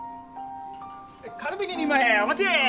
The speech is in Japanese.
カルビ２人前お待ち！